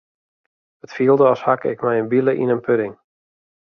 It fielde as hakke ik mei in bile yn in pudding.